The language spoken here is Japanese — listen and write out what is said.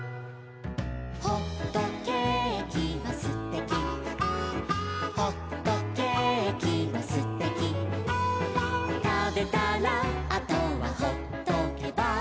「ほっとけーきはすてき」「ほっとけーきはすてき」「たべたらあとはほっとけば」